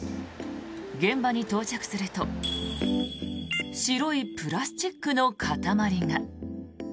現場に到着すると白いプラスチックの塊が。